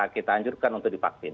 kita anjurkan untuk divaksin